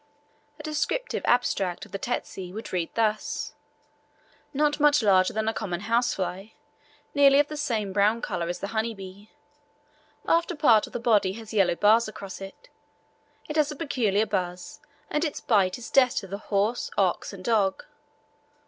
A descriptive abstract of the tsetse would read thus: "Not much larger than a common house fly, nearly of the same brown colour as the honey bee. After part of the body has yellow bars across it. It has a peculiar buzz, and its bite is death to the horse, ox, and dog.